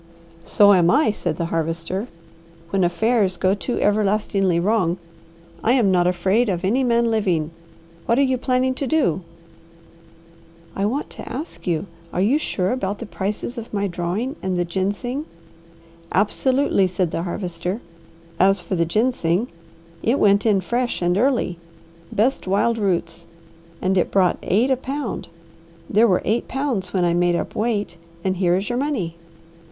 "So am I," said the Harvester, "when affairs go too everlastingly wrong. I am not afraid of any man living. What are you planning to do?" "I want to ask you, are you sure about the prices of my drawing and the ginseng?" "Absolutely," said the Harvester. "As for the ginseng it went in fresh and early, best wild roots, and it brought eight a pound. There were eight pounds when I made up weight and here is your money."